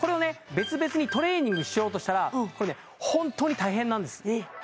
別々にトレーニングしようとしたら本当に大変なんですえっ